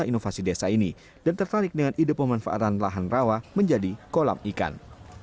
tinggal kita sinkronkan dengan kebutuhan masyarakat